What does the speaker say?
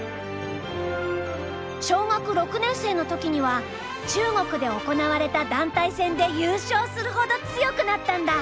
小学６年生の時には中国で行われた団体戦で優勝するほど強くなったんだ。